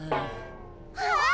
あっ！